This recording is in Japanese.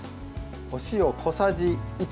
お塩、小さじ１。